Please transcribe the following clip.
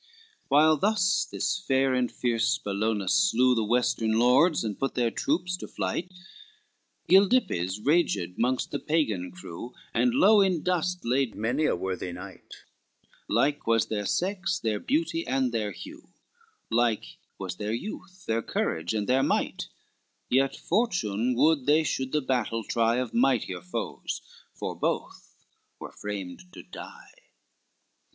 LXXI While thus this fair and fierce Bellona slew The western lords, and put their troops to flight, Gildippes raged mongst the Pagan crew, And low in dust laid many a worthy knight: Like was their sex, their beauty and their hue, Like was their youth, their courage and their might; Yet fortune would they should the battle try Of mightier foes, for both were framed to die.